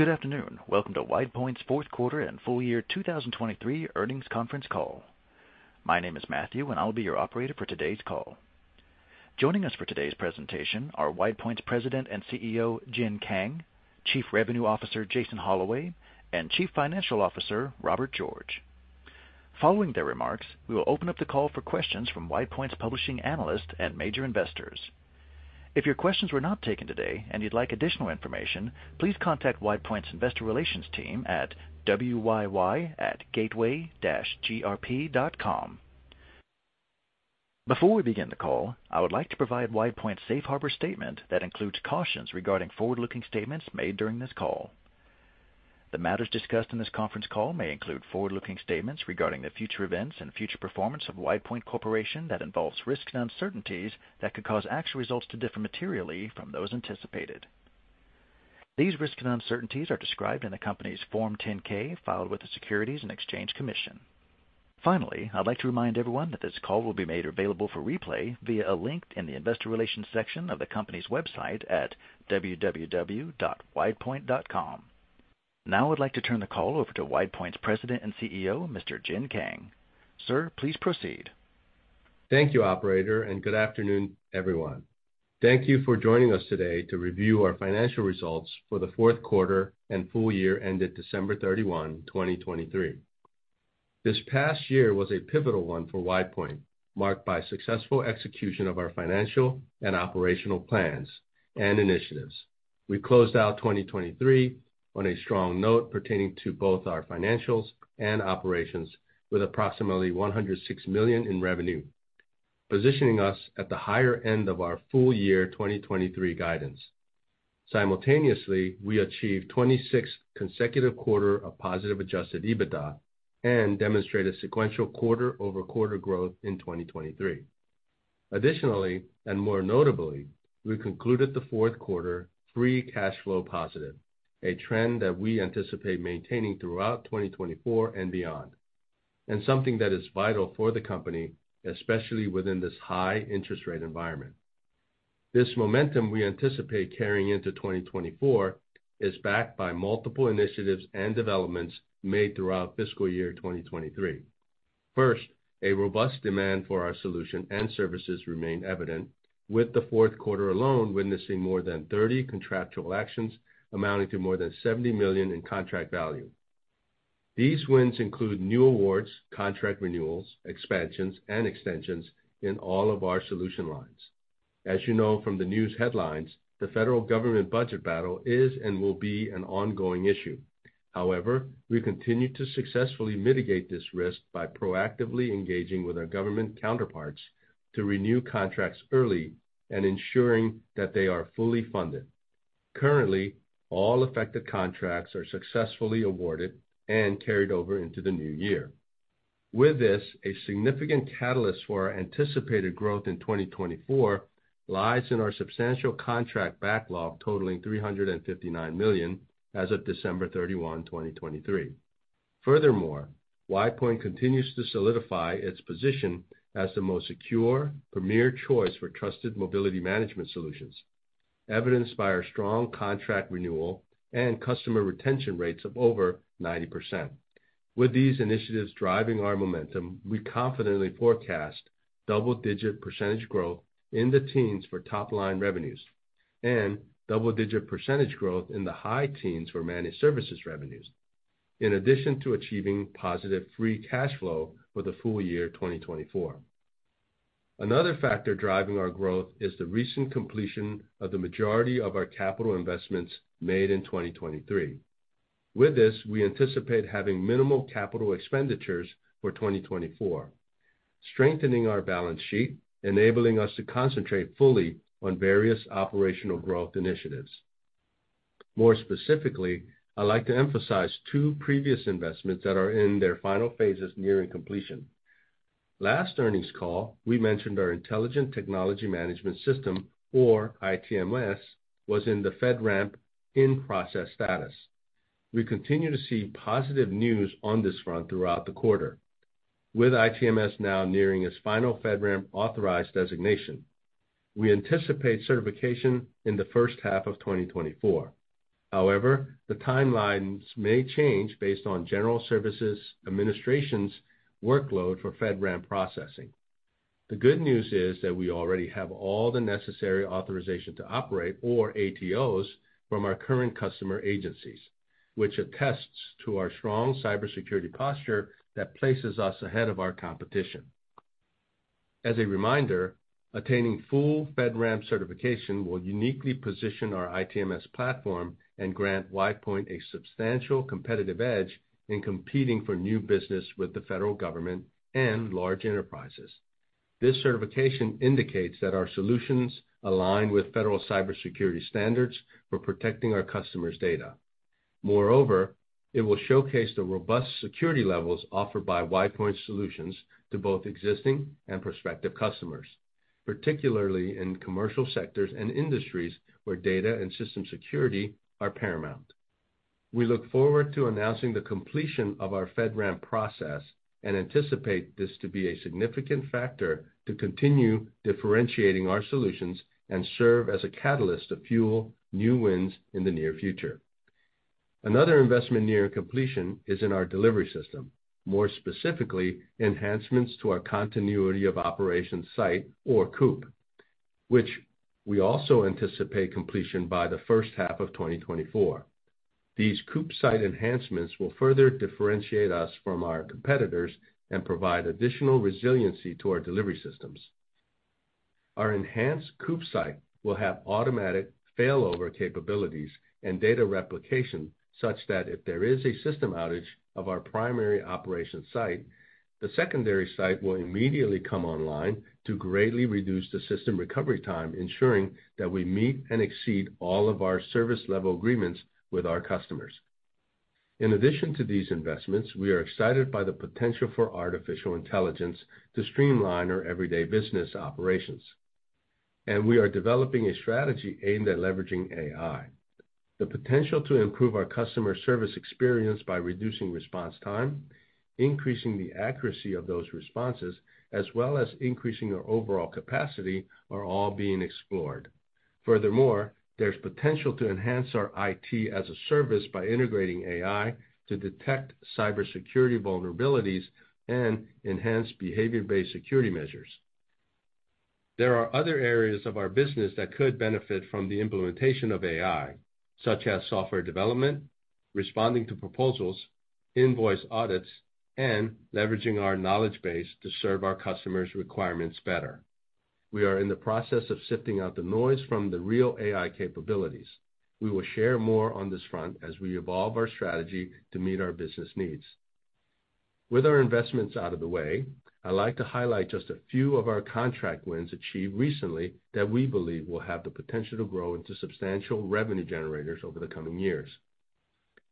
Good afternoon. Welcome to WidePoint's Fourth Quarter and Full Year 2023 Earnings Conference Call. My name is Matthew, and I'll be your operator for today's call. Joining us for today's presentation are WidePoint's President and CEO Jin Kang, Chief Revenue Officer Jason Holloway, and Chief Financial Officer Robert George. Following their remarks, we will open up the call for questions from WidePoint's publishing analysts and major investors. If your questions were not taken today and you'd like additional information, please contact WidePoint's Investor Relations team at WYY@gateway-grp.com. Before we begin the call, I would like to provide WidePoint's safe harbor statement that includes cautions regarding forward-looking statements made during this call. The matters discussed in this conference call may include forward-looking statements regarding the future events and future performance of WidePoint Corporation that involves risks and uncertainties that could cause actual results to differ materially from those anticipated. These risks and uncertainties are described in the company's Form 10-K filed with the Securities and Exchange Commission. Finally, I'd like to remind everyone that this call will be made available for replay via a link in the Investor Relations section of the company's website at www.widepoint.com. Now I'd like to turn the call over to WidePoint's President and CEO, Mr. Jin Kang. Sir, please proceed. Thank you, operator, and good afternoon, everyone. Thank you for joining us today to review our financial results for the fourth quarter and full year ended December 31, 2023. This past year was a pivotal one for WidePoint, marked by successful execution of our financial and operational plans and initiatives. We closed out 2023 on a strong note pertaining to both our financials and operations with approximately $106 million in revenue, positioning us at the higher end of our full year 2023 guidance. Simultaneously, we achieved 26th consecutive quarter of positive Adjusted EBITDA and demonstrated sequential quarter-over-quarter growth in 2023. Additionally, and more notably, we concluded the fourth quarter Free Cash Flow positive, a trend that we anticipate maintaining throughout 2024 and beyond, and something that is vital for the company, especially within this high-interest rate environment. This momentum we anticipate carrying into 2024 is backed by multiple initiatives and developments made throughout fiscal year 2023. First, a robust demand for our solution and services remained evident, with the fourth quarter alone witnessing more than 30 contractual actions amounting to more than $70 million in contract value. These wins include new awards, contract renewals, expansions, and extensions in all of our solution lines. As you know from the news headlines, the federal government budget battle is and will be an ongoing issue. However, we continue to successfully mitigate this risk by proactively engaging with our government counterparts to renew contracts early and ensuring that they are fully funded. Currently, all affected contracts are successfully awarded and carried over into the new year. With this, a significant catalyst for our anticipated growth in 2024 lies in our substantial contract backlog totaling $359 million as of December 31, 2023. Furthermore, WidePoint continues to solidify its position as the most secure, premier choice for Trusted Mobility Management solutions, evidenced by our strong contract renewal and customer retention rates of over 90%. With these initiatives driving our momentum, we confidently forecast double-digit percentage growth in the teens for top-line revenues and double-digit percentage growth in the high teens for managed services revenues, in addition to achieving positive free cash flow for the full year 2024. Another factor driving our growth is the recent completion of the majority of our capital investments made in 2023. With this, we anticipate having minimal capital expenditures for 2024, strengthening our balance sheet, enabling us to concentrate fully on various operational growth initiatives. More specifically, I'd like to emphasize two previous investments that are in their final phases nearing completion. Last earnings call, we mentioned our Intelligent Technology Management System, or ITMS, was in the FedRAMP in-process status. We continue to see positive news on this front throughout the quarter, with ITMS now nearing its final FedRAMP authorized designation. We anticipate certification in the first half of 2024. However, the timelines may change based on General Services Administration's workload for FedRAMP processing. The good news is that we already have all the necessary authorization to operate, or ATOs, from our current customer agencies, which attests to our strong cybersecurity posture that places us ahead of our competition. As a reminder, attaining full FedRAMP certification will uniquely position our ITMS platform and grant WidePoint a substantial competitive edge in competing for new business with the federal government and large enterprises. This certification indicates that our solutions align with federal cybersecurity standards for protecting our customers' data. Moreover, it will showcase the robust security levels offered by WidePoint's solutions to both existing and prospective customers, particularly in commercial sectors and industries where data and system security are paramount. We look forward to announcing the completion of our FedRAMP process and anticipate this to be a significant factor to continue differentiating our solutions and serve as a catalyst to fuel new wins in the near future. Another investment nearing completion is in our delivery system, more specifically enhancements to our continuity of operations site, or COOP, which we also anticipate completion by the first half of 2024. These COOP site enhancements will further differentiate us from our competitors and provide additional resiliency to our delivery systems. Our enhanced COOP site will have automatic failover capabilities and data replication such that if there is a system outage of our primary operations site, the secondary site will immediately come online to greatly reduce the system recovery time, ensuring that we meet and exceed all of our service-level agreements with our customers. In addition to these investments, we are excited by the potential for artificial intelligence to streamline our everyday business operations, and we are developing a strategy aimed at leveraging AI, the potential to improve our customer service experience by reducing response time, increasing the accuracy of those responses, as well as increasing our overall capacity are all being explored. Furthermore, there's potential to enhance our IT as a Service by integrating AI to detect cybersecurity vulnerabilities and enhance behavior-based security measures. There are other areas of our business that could benefit from the implementation of AI, such as software development, responding to proposals, invoice audits, and leveraging our knowledge base to serve our customers' requirements better. We are in the process of sifting out the noise from the real AI capabilities. We will share more on this front as we evolve our strategy to meet our business needs. With our investments out of the way, I'd like to highlight just a few of our contract wins achieved recently that we believe will have the potential to grow into substantial revenue generators over the coming years.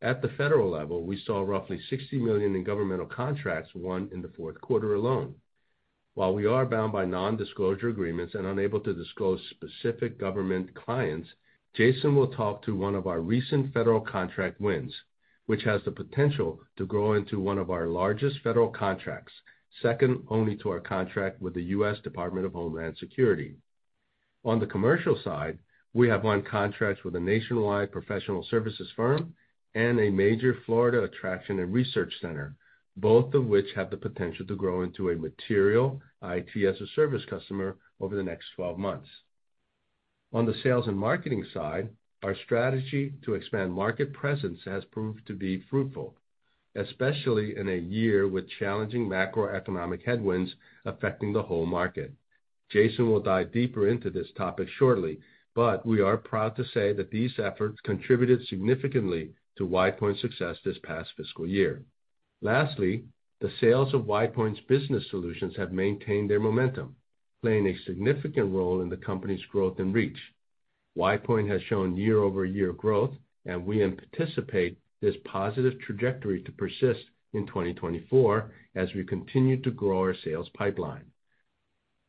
At the federal level, we saw roughly $60 million in governmental contracts won in the fourth quarter alone. While we are bound by nondisclosure agreements and unable to disclose specific government clients, Jason will talk to one of our recent federal contract wins, which has the potential to grow into one of our largest federal contracts, second only to our contract with the U.S. Department of Homeland Security. On the commercial side, we have won contracts with a nationwide professional services firm and a major Florida attraction and research center, both of which have the potential to grow into a material IT as a Service customer over the next 12 months. On the sales and marketing side, our strategy to expand market presence has proved to be fruitful, especially in a year with challenging macroeconomic headwinds affecting the whole market. Jason will dive deeper into this topic shortly, but we are proud to say that these efforts contributed significantly to WidePoint's success this past fiscal year. Lastly, the sales of WidePoint's business solutions have maintained their momentum, playing a significant role in the company's growth and reach. WidePoint has shown year-over-year growth, and we anticipate this positive trajectory to persist in 2024 as we continue to grow our sales pipeline.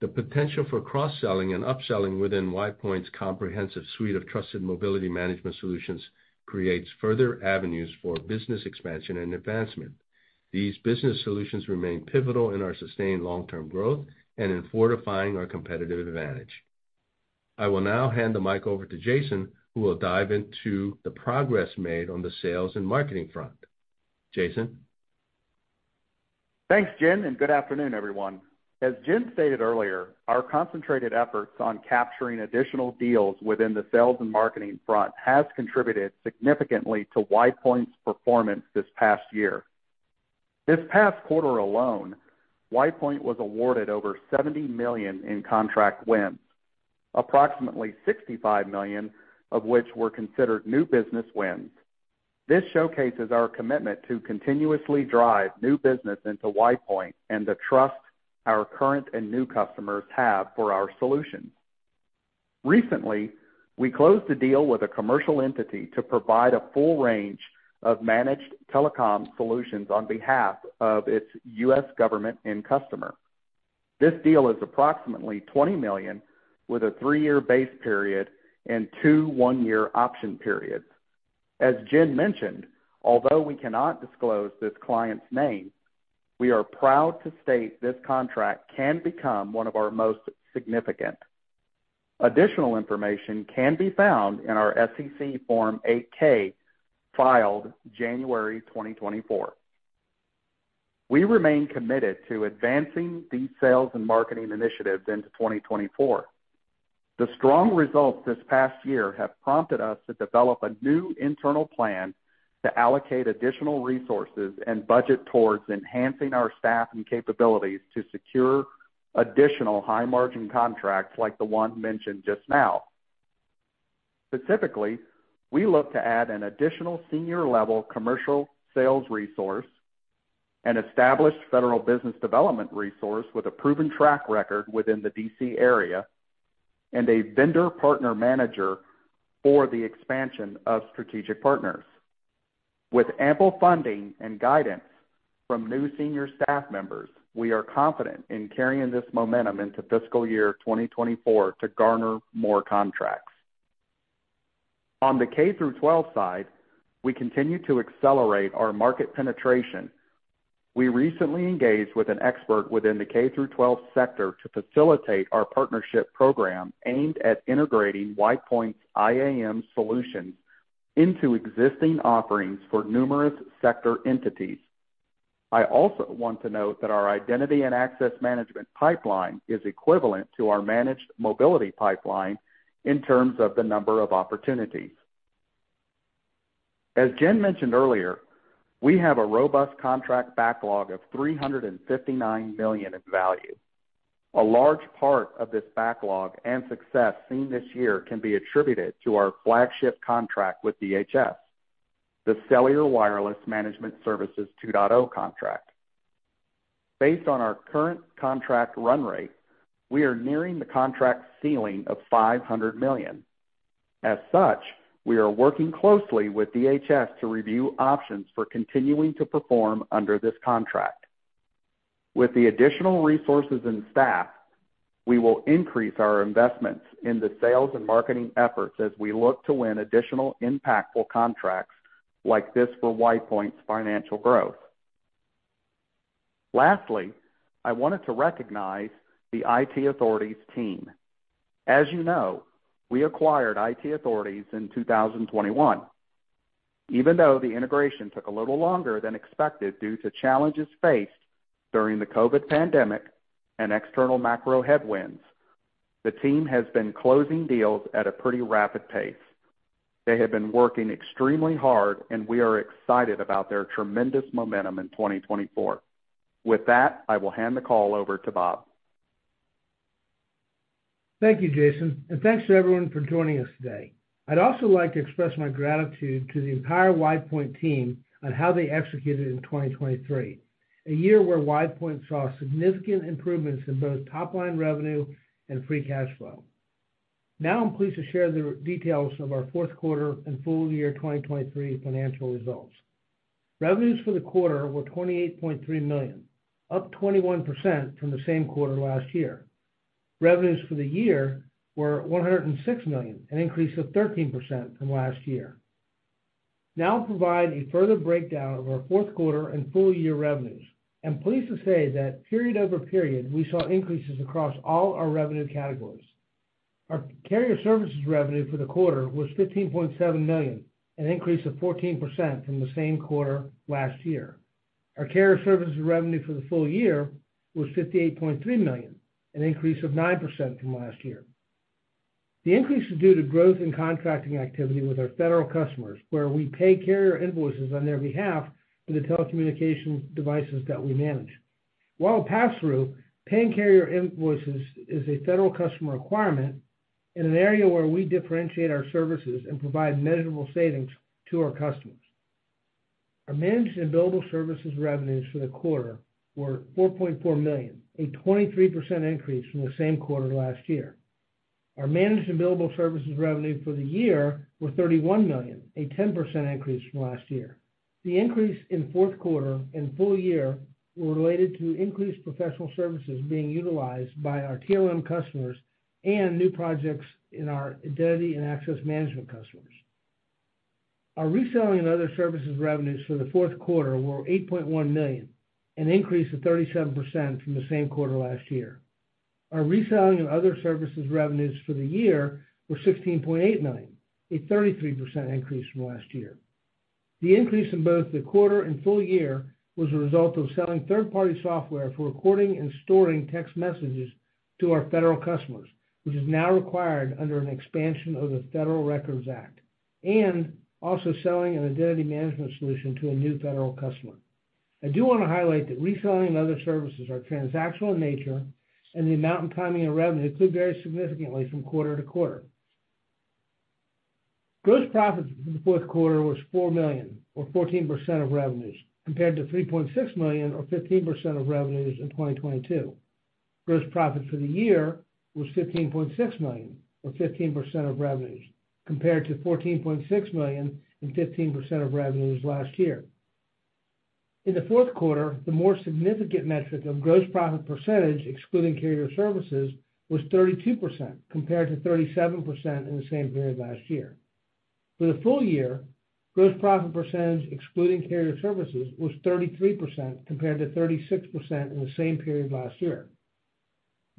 The potential for cross-selling and upselling within WidePoint's comprehensive suite of trusted mobility management solutions creates further avenues for business expansion and advancement. These business solutions remain pivotal in our sustained long-term growth and in fortifying our competitive advantage. I will now hand the mic over to Jason, who will dive into the progress made on the sales and marketing front. Jason? Thanks, Jin, and good afternoon, everyone. As Jin stated earlier, our concentrated efforts on capturing additional deals within the sales and marketing front have contributed significantly to WidePoint's performance this past year. This past quarter alone, WidePoint was awarded over $70 million in contract wins, approximately $65 million of which were considered new business wins. This showcases our commitment to continuously drive new business into WidePoint and the trust our current and new customers have for our solutions. Recently, we closed a deal with a commercial entity to provide a full range of managed telecom solutions on behalf of its U.S. government and customer. This deal is approximately $20 million, with a three-year base period and two one-year option periods. As Jin mentioned, although we cannot disclose this client's name, we are proud to state this contract can become one of our most significant. Additional information can be found in our SEC Form 8-K filed January 2024. We remain committed to advancing these sales and marketing initiatives into 2024. The strong results this past year have prompted us to develop a new internal plan to allocate additional resources and budget towards enhancing our staff and capabilities to secure additional high-margin contracts like the one mentioned just now. Specifically, we look to add an additional senior-level commercial sales resource, an established federal business development resource with a proven track record within the D.C. area, and a vendor partner manager for the expansion of strategic partners. With ample funding and guidance from new senior staff members, we are confident in carrying this momentum into fiscal year 2024 to garner more contracts. On the K-12 side, we continue to accelerate our market penetration. We recently engaged with an expert within the K-12 sector to facilitate our partnership program aimed at integrating WidePoint's IAM solutions into existing offerings for numerous sector entities. I also want to note that our identity and access management pipeline is equivalent to our managed mobility pipeline in terms of the number of opportunities. As Jin mentioned earlier, we have a robust contract backlog of $359 million in value. A large part of this backlog and success seen this year can be attributed to our flagship contract with DHS, the Cellular Wireless Management Services 2.0 contract. Based on our current contract run rate, we are nearing the contract ceiling of $500 million. As such, we are working closely with DHS to review options for continuing to perform under this contract. With the additional resources and staff, we will increase our investments in the sales and marketing efforts as we look to win additional impactful contracts like this for WidePoint's financial growth. Lastly, I wanted to recognize the IT Authorities team. As you know, we acquired IT Authorities in 2021. Even though the integration took a little longer than expected due to challenges faced during the COVID pandemic and external macro headwinds, the team has been closing deals at a pretty rapid pace. They have been working extremely hard, and we are excited about their tremendous momentum in 2024. With that, I will hand the call over to Bob. Thank you, Jason, and thanks to everyone for joining us today. I'd also like to express my gratitude to the entire WidePoint team on how they executed in 2023, a year where WidePoint saw significant improvements in both top-line revenue and free cash flow. Now, I'm pleased to share the details of our fourth quarter and full year 2023 financial results. Revenues for the quarter were $28.3 million, up 21% from the same quarter last year. Revenues for the year were $106 million, an increase of 13% from last year. Now, I'll provide a further breakdown of our fourth quarter and full year revenues, and I'm pleased to say that, period over period, we saw increases across all our revenue categories. Our carrier services revenue for the quarter was $15.7 million, an increase of 14% from the same quarter last year. Our carrier services revenue for the full year was $58.3 million, an increase of 9% from last year. The increase is due to growth in contracting activity with our federal customers, where we pay carrier invoices on their behalf for the telecommunications devices that we manage. While a pass-through, paying carrier invoices is a federal customer requirement in an area where we differentiate our services and provide measurable savings to our customers. Our managed and billable services revenues for the quarter were $4.4 million, a 23% increase from the same quarter last year. Our managed and billable services revenue for the year were $31 million, a 10% increase from last year. The increase in fourth quarter and full year were related to increased professional services being utilized by our TLM customers and new projects in our Identity and Access Management customers. Our reselling and other services revenues for the fourth quarter were $8.1 million, an increase of 37% from the same quarter last year. Our reselling and other services revenues for the year were $16.8 million, a 33% increase from last year. The increase in both the quarter and full year was a result of selling third-party software for recording and storing text messages to our federal customers, which is now required under an expansion of the Federal Records Act, and also selling an identity management solution to a new federal customer. I do want to highlight that reselling and other services are transactional in nature, and the amount and timing of revenue could vary significantly from quarter to quarter. Gross profit for the fourth quarter was $4 million, or 14% of revenues, compared to $3.6 million, or 15% of revenues in 2022. Gross profit for the year was $15.6 million, or 15% of revenues, compared to $14.6 million and 15% of revenues last year. In the fourth quarter, the more significant metric of gross profit percentage, excluding carrier services, was 32%, compared to 37% in the same period last year. For the full year, gross profit percentage, excluding carrier services, was 33%, compared to 36% in the same period last year.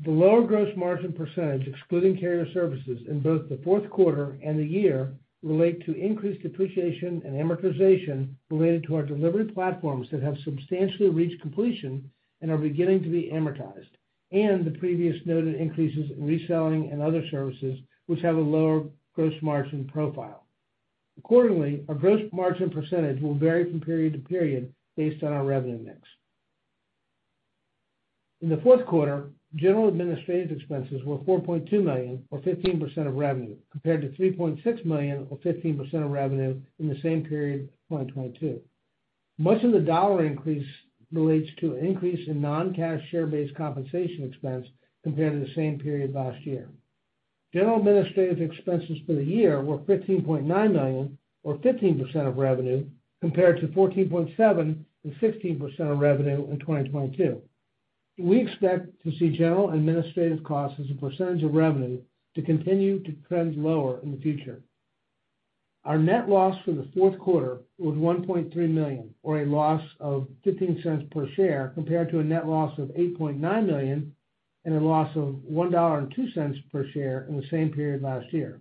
The lower gross margin percentage, excluding carrier services, in both the fourth quarter and the year relate to increased depreciation and amortization related to our delivery platforms that have substantially reached completion and are beginning to be amortized, and the previous noted increases in reselling and other services, which have a lower gross margin profile. Accordingly, our gross margin percentage will vary from period to period based on our revenue mix. In the fourth quarter, general administrative expenses were $4.2 million, or 15% of revenue, compared to $3.6 million, or 15% of revenue in the same period of 2022. Much of the dollar increase relates to an increase in non-cash share-based compensation expense compared to the same period last year. General administrative expenses for the year were $15.9 million, or 15% of revenue, compared to $14.7 and 16% of revenue in 2022. We expect to see general administrative costs as a percentage of revenue to continue to trend lower in the future. Our net loss for the fourth quarter was $1.3 million, or a loss of $0.15 per share compared to a net loss of $8.9 million and a loss of $1.02 per share in the same period last year.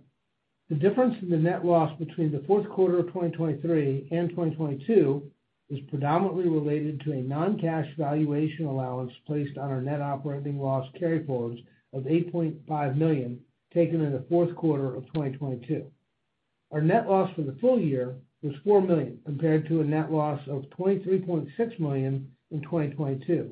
The difference in the net loss between the fourth quarter of 2023 and 2022 is predominantly related to a non-cash valuation allowance placed on our net operating loss carryforwards of $8.5 million taken in the fourth quarter of 2022. Our net loss for the full year was $4 million compared to a net loss of $23.6 million in 2022.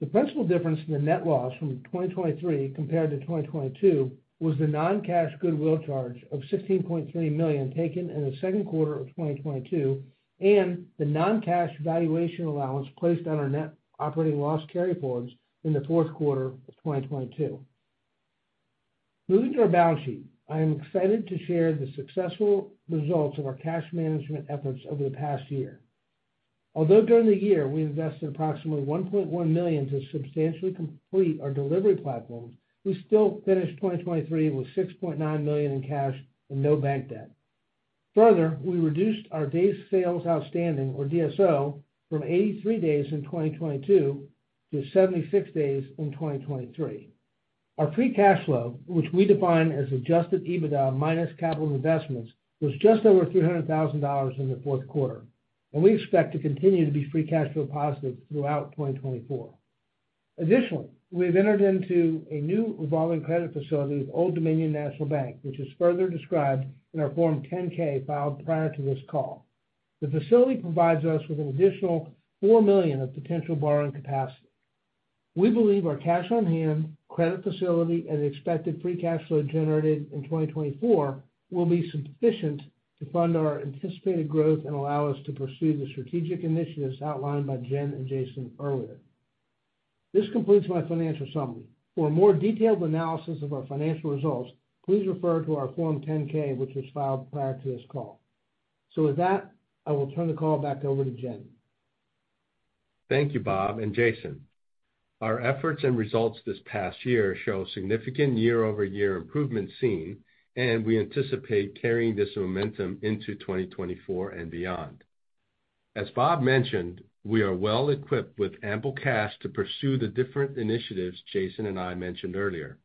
The principal difference in the net loss from 2023 compared to 2022 was the non-cash goodwill charge of $16.3 million taken in the second quarter of 2022 and the non-cash valuation allowance placed on our net operating loss carryforwards in the fourth quarter of 2022. Moving to our balance sheet, I am excited to share the successful results of our cash management efforts over the past year. Although during the year we invested approximately $1.1 million to substantially complete our delivery platforms, we still finished 2023 with $6.9 million in cash and no bank debt. Further, we reduced our days sales outstanding, or DSO, from 83 days in 2022 to 76 days in 2023. Our free cash flow, which we define as Adjusted EBITDA minus capital investments, was just over $300,000 in the fourth quarter, and we expect to continue to be free cash flow positive throughout 2024. Additionally, we have entered into a new revolving credit facility with Old Dominion National Bank, which is further described in our Form 10-K filed prior to this call. The facility provides us with an additional $4 million of potential borrowing capacity. We believe our cash on hand, credit facility, and expected free cash flow generated in 2024 will be sufficient to fund our anticipated growth and allow us to pursue the strategic initiatives outlined by Jin and Jason earlier. This completes my financial summary. For a more detailed analysis of our financial results, please refer to our Form 10-K, which was filed prior to this call. With that, I will turn the call back over to Jin. Thank you, Bob and Jason. Our efforts and results this past year show significant year-over-year improvements seen, and we anticipate carrying this momentum into 2024 and beyond. As Bob mentioned, we are well equipped with ample cash to pursue the different initiatives Jason and I mentioned earlier.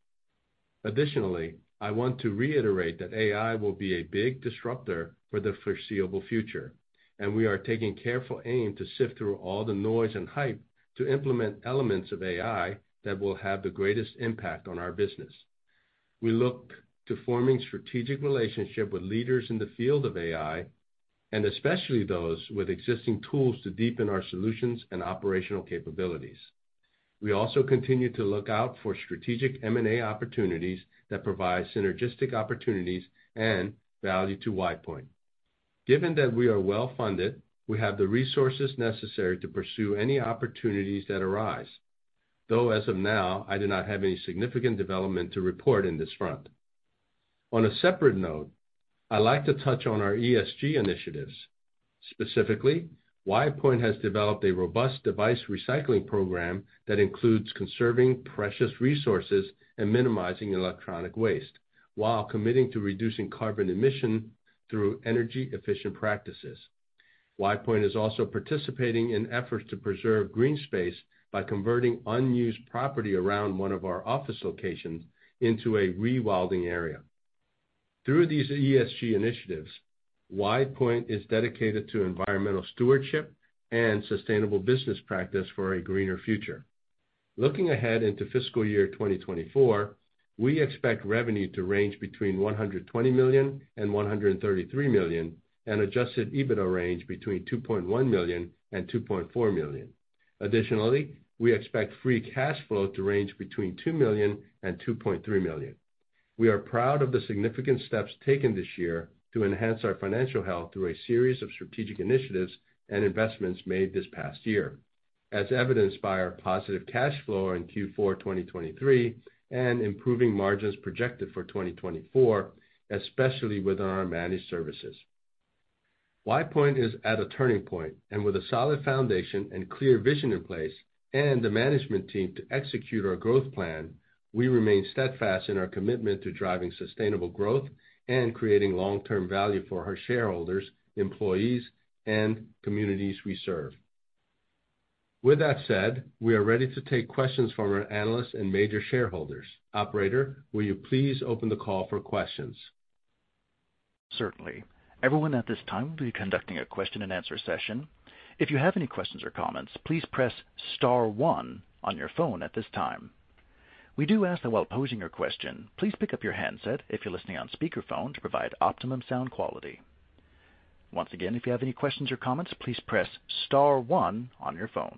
Additionally, I want to reiterate that AI will be a big disruptor for the foreseeable future, and we are taking careful aim to sift through all the noise and hype to implement elements of AI that will have the greatest impact on our business. We look to forming a strategic relationship with leaders in the field of AI, and especially those with existing tools to deepen our solutions and operational capabilities. We also continue to look out for strategic M&A opportunities that provide synergistic opportunities and value to WidePoint. Given that we are well funded, we have the resources necessary to pursue any opportunities that arise, though as of now, I do not have any significant development to report in this front. On a separate note, I'd like to touch on our ESG initiatives. Specifically, WidePoint has developed a robust device recycling program that includes conserving precious resources and minimizing electronic waste while committing to reducing carbon emission through energy-efficient practices. WidePoint is also participating in efforts to preserve green space by converting unused property around one of our office locations into a rewilding area. Through these ESG initiatives, WidePoint is dedicated to environmental stewardship and sustainable business practice for a greener future. Looking ahead into fiscal year 2024, we expect revenue to range between $120 million-$133 million and an Adjusted EBITDA range between $2.1 million-$2.4 million. Additionally, we expect free cash flow to range between $2 million and $2.3 million. We are proud of the significant steps taken this year to enhance our financial health through a series of strategic initiatives and investments made this past year, as evidenced by our positive cash flow in Q4 2023 and improving margins projected for 2024, especially within our managed services. WidePoint is at a turning point, and with a solid foundation and clear vision in place and the management team to execute our growth plan, we remain steadfast in our commitment to driving sustainable growth and creating long-term value for our shareholders, employees, and communities we serve. With that said, we are ready to take questions from our analysts and major shareholders. Operator, will you please open the call for questions? Certainly. Everyone at this time will be conducting a question-and-answer session. If you have any questions or comments, please press star one on your phone at this time. We do ask that while posing your question, please pick up your handset if you're listening on speakerphone to provide optimum sound quality. Once again, if you have any questions or comments, please press star one on your phone.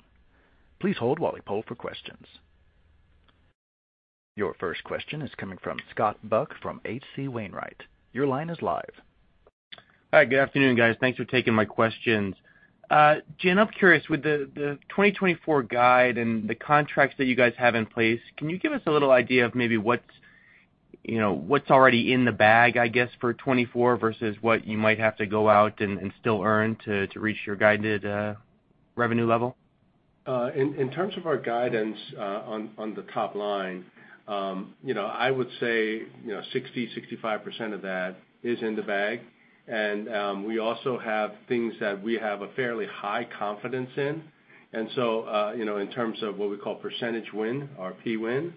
Please hold while we poll for questions. Your first question is coming from Scott Buck from H.C. Wainwright. Your line is live. Hi, good afternoon, guys. Thanks for taking my questions. Jin, I'm curious, with the 2024 guide and the contracts that you guys have in place, can you give us a little idea of maybe what's already in the bag, I guess, for 2024 versus what you might have to go out and still earn to reach your guided revenue level? In terms of our guidance on the top line, I would say 60%-65% of that is in the bag, and we also have things that we have a fairly high confidence in. And so in terms of what we call percentage win, our P-win,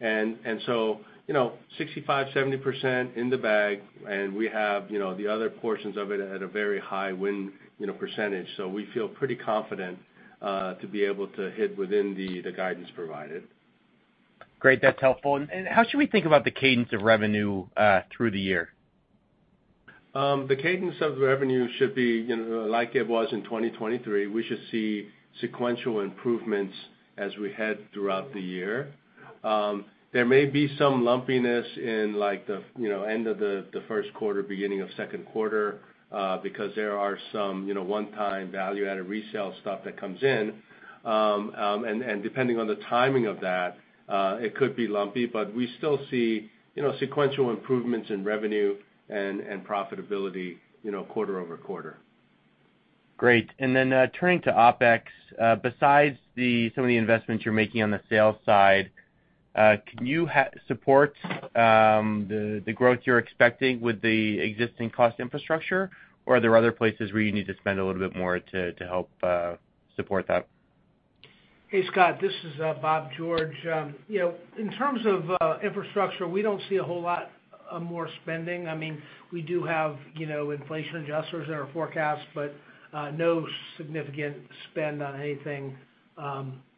and so 65%-70% in the bag, and we have the other portions of it at a very high win percentage. So we feel pretty confident to be able to hit within the guidance provided. Great. That's helpful. How should we think about the cadence of revenue through the year? The cadence of revenue should be like it was in 2023. We should see sequential improvements as we head throughout the year. There may be some lumpiness in the end of the first quarter, beginning of second quarter because there are some one-time value-added resale stuff that comes in. Depending on the timing of that, it could be lumpy, but we still see sequential improvements in revenue and profitability quarter-over-quarter. Great. And then turning to OpEx, besides some of the investments you're making on the sales side, can you support the growth you're expecting with the existing cost infrastructure, or are there other places where you need to spend a little bit more to help support that? Hey, Scott. This is Robert George. In terms of infrastructure, we don't see a whole lot more spending. I mean, we do have inflation adjusters in our forecast, but no significant spend on anything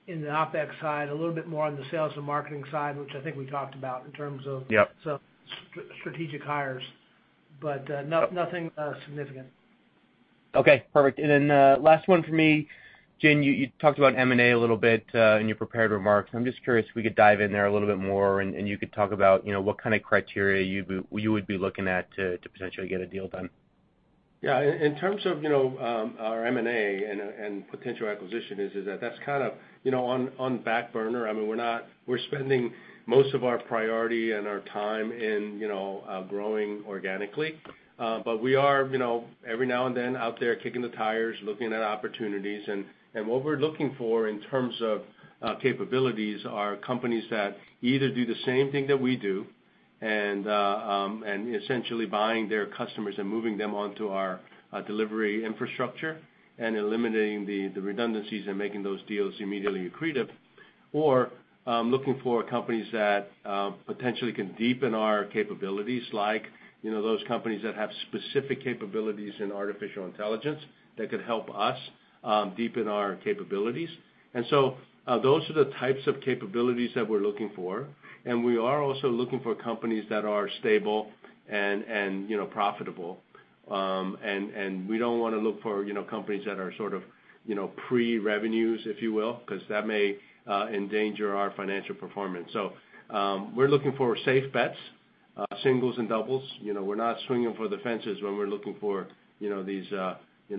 in the OpEx side. A little bit more on the sales and marketing side, which I think we talked about in terms of strategic hires, but nothing significant. Okay. Perfect. And then last one for me. Jin, you talked about M&A a little bit in your prepared remarks. I'm just curious if we could dive in there a little bit more, and you could talk about what kind of criteria you would be looking at to potentially get a deal done. Yeah. In terms of our M&A and potential acquisitions, that's kind of on back burner. I mean, we're spending most of our priority and our time in growing organically, but we are every now and then out there kicking the tires, looking at opportunities. And what we're looking for in terms of capabilities are companies that either do the same thing that we do and essentially buying their customers and moving them onto our delivery infrastructure and eliminating the redundancies and making those deals immediately accretive, or looking for companies that potentially can deepen our capabilities, like those companies that have specific capabilities in artificial intelligence that could help us deepen our capabilities. And so those are the types of capabilities that we're looking for, and we are also looking for companies that are stable and profitable. We don't want to look for companies that are sort of pre-revenues, if you will, because that may endanger our financial performance. We're looking for safe bets, singles and doubles. We're not swinging for the fences when we're looking for these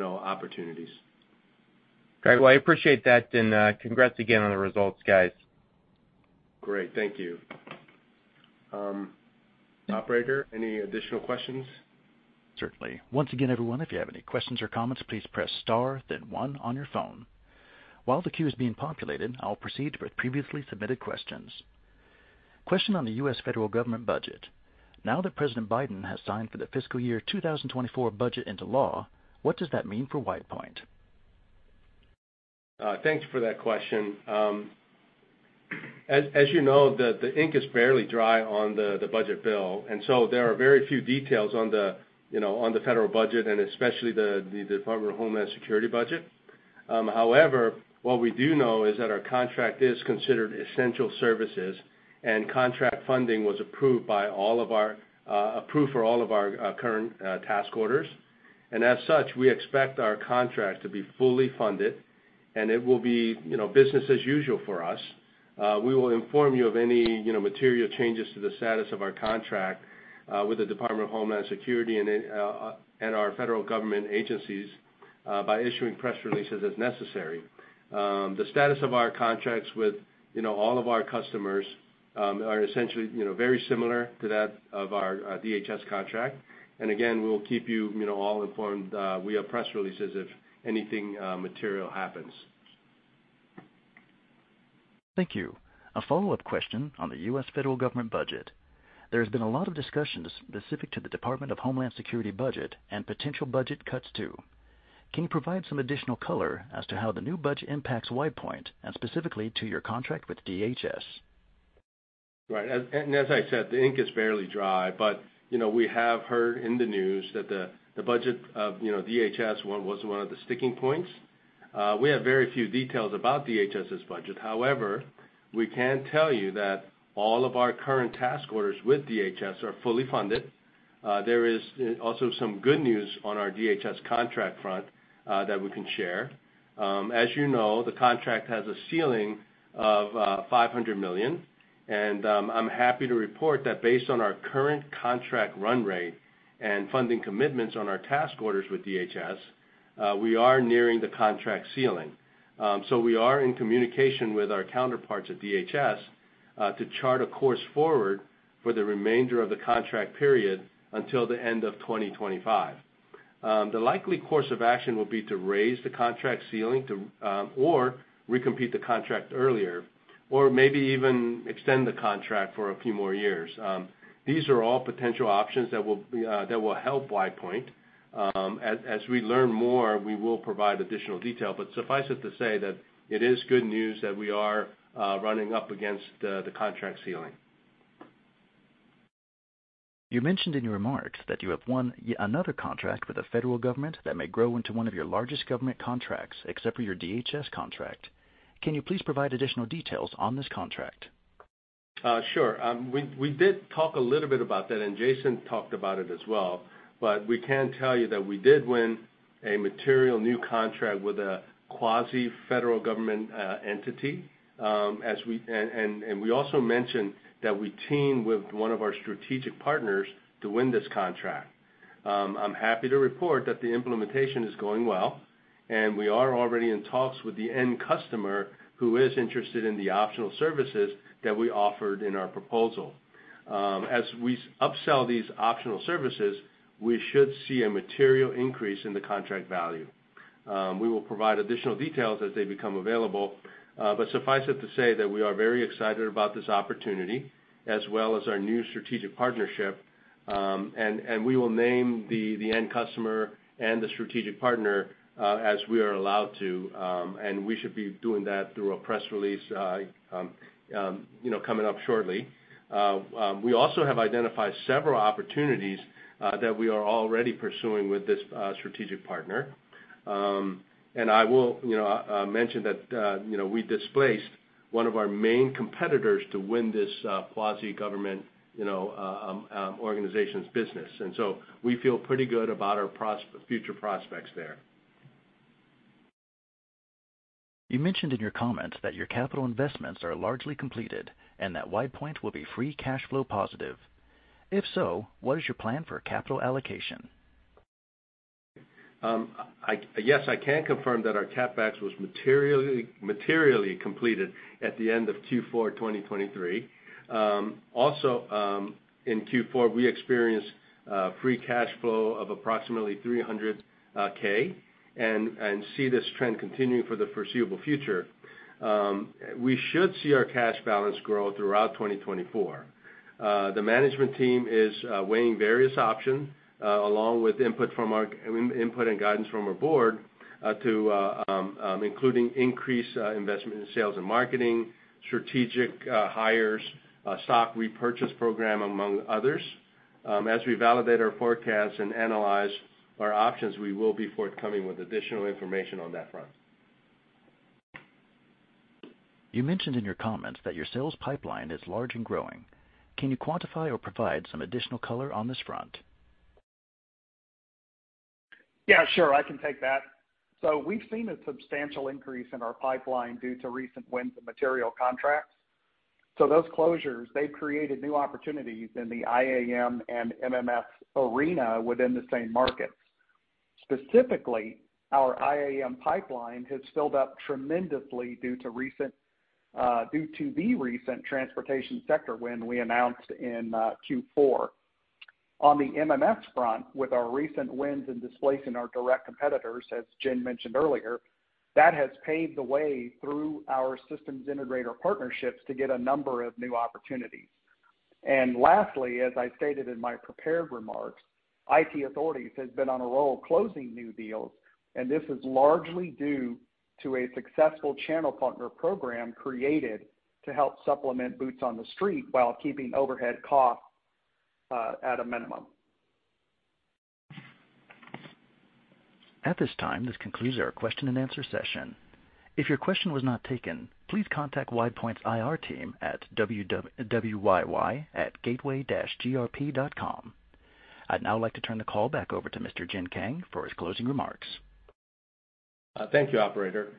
opportunities. Great. Well, I appreciate that, and congrats again on the results, guys. Great. Thank you. Operator, any additional questions? Certainly. Once again, everyone, if you have any questions or comments, please press star, then one on your phone. While the queue is being populated, I'll proceed with previously submitted questions. Question on the U.S. federal government budget. Now that President Biden has signed for the fiscal year 2024 budget into law, what does that mean for WidePoint? Thank you for that question. As you know, the ink is fairly dry on the budget bill, and so there are very few details on the federal budget and especially the Department of Homeland Security budget. However, what we do know is that our contract is considered essential services, and contract funding was approved for all of our current task orders. As such, we expect our contract to be fully funded, and it will be business as usual for us. We will inform you of any material changes to the status of our contract with the Department of Homeland Security and our federal government agencies by issuing press releases as necessary. The status of our contracts with all of our customers are essentially very similar to that of our DHS contract. Again, we'll keep you all informed via press releases if anything material happens. Thank you. A follow-up question on the U.S. federal government budget. There has been a lot of discussion specific to the Department of Homeland Security budget and potential budget cuts to. Can you provide some additional color as to how the new budget impacts WidePoint and specifically to your contract with DHS? Right. And as I said, the ink is fairly dry, but we have heard in the news that the budget of DHS was one of the sticking points. We have very few details about DHS's budget. However, we can tell you that all of our current task orders with DHS are fully funded. There is also some good news on our DHS contract front that we can share. As you know, the contract has a ceiling of $500 million, and I'm happy to report that based on our current contract run rate and funding commitments on our task orders with DHS, we are nearing the contract ceiling. So we are in communication with our counterparts at DHS to chart a course forward for the remainder of the contract period until the end of 2025. The likely course of action would be to raise the contract ceiling or recompete the contract earlier, or maybe even extend the contract for a few more years. These are all potential options that will help WidePoint. As we learn more, we will provide additional detail, but suffice it to say that it is good news that we are running up against the contract ceiling. You mentioned in your remarks that you have won another contract with the federal government that may grow into one of your largest government contracts except for your DHS contract. Can you please provide additional details on this contract? Sure. We did talk a little bit about that, and Jason talked about it as well, but we can tell you that we did win a material new contract with a quasi-federal government entity. We also mentioned that we team with one of our strategic partners to win this contract. I'm happy to report that the implementation is going well, and we are already in talks with the end customer who is interested in the optional services that we offered in our proposal. As we upsell these optional services, we should see a material increase in the contract value. We will provide additional details as they become available, but suffice it to say that we are very excited about this opportunity as well as our new strategic partnership. We will name the end customer and the strategic partner as we are allowed to, and we should be doing that through a press release coming up shortly. We also have identified several opportunities that we are already pursuing with this strategic partner. I will mention that we displaced one of our main competitors to win this quasi-government organization's business, and so we feel pretty good about our future prospects there. You mentioned in your comments that your capital investments are largely completed and that WidePoint will be free cash flow positive. If so, what is your plan for capital allocation? Yes, I can confirm that our CapEx was materially completed at the end of Q4 2023. Also, in Q4, we experienced free cash flow of approximately $300,000 and see this trend continuing for the foreseeable future. We should see our cash balance grow throughout 2024. The management team is weighing various options along with input and guidance from our board to including increased investment in sales and marketing, strategic hires, stock repurchase program, among others. As we validate our forecasts and analyze our options, we will be forthcoming with additional information on that front. You mentioned in your comments that your sales pipeline is large and growing. Can you quantify or provide some additional color on this front? Yeah, sure. I can take that. So we've seen a substantial increase in our pipeline due to recent wins in material contracts. So those closures, they've created new opportunities in the IAM and MMS arena within the same markets. Specifically, our IAM pipeline has filled up tremendously due to the recent transportation sector win we announced in Q4. On the MMS front, with our recent wins in displacing our direct competitors, as Jin mentioned earlier, that has paved the way through our systems integrator partnerships to get a number of new opportunities. And lastly, as I stated in my prepared remarks, IT Authorities have been on a roll closing new deals, and this is largely due to a successful channel partner program created to help supplement boots on the street while keeping overhead costs at a minimum. At this time, this concludes our question-and-answer session. If your question was not taken, please contact WidePoint's IR team at www.gateway-grp.com. I'd now like to turn the call back over to Mr. Jin Kang for his closing remarks. Thank you, Operator.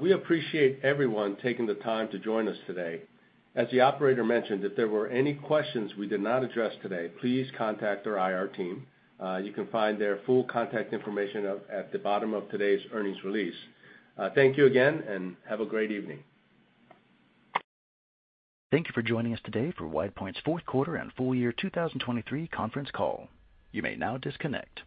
We appreciate everyone taking the time to join us today. As the Operator mentioned, if there were any questions we did not address today, please contact our IR team. You can find their full contact information at the bottom of today's earnings release. Thank you again, and have a great evening. Thank you for joining us today for WidePoint's fourth quarter and full year 2023 conference call. You may now disconnect.